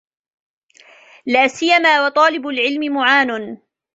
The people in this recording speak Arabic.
لَا سِيَّمَا وَطَالِبُ الْعِلْمِ مُعَانٌ